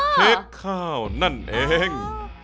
เค้กข้าวนั่นเอง